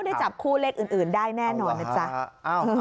ได้จับคู่เลขอื่นได้แน่นอนนะจ๊ะ